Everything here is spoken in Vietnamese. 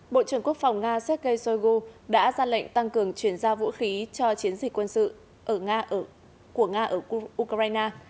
bộ trưởng quốc phòng nga sergei shoigu đã ra lệnh tăng cường chuyển giao vũ khí cho chiến dịch quân sự ở nga của nga ở ukraine